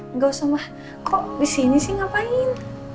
enggak usah kok di sini sih ngapain